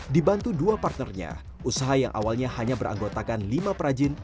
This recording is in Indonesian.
dibantu dua partnernya usaha yang awalnya hanya beranggotakan lima perajin